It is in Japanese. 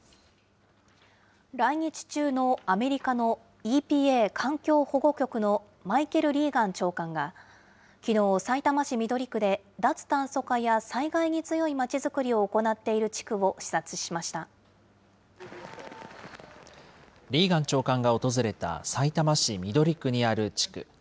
来日中のアメリカのＥＰＡ・環境保護局のマイケル・リーガン長官がきのう、さいたま市緑区で脱炭素化や災害に強いまちづくりを行っている地リーガン長官が訪れた、さいたま市緑区にある地区。